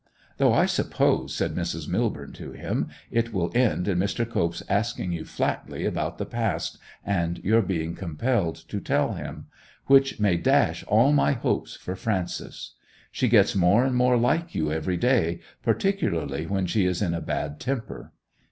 'Though I suppose,' said Mrs. Millborne to him, 'it will end in Mr. Cope's asking you flatly about the past, and your being compelled to tell him; which may dash all my hopes for Frances. She gets more and more like you every day, particularly when she is in a bad temper.